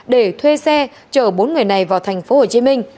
để thuê xe chở bốn người này vào tp hcm